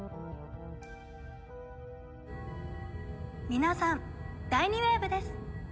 皆さん第２ウェーブです。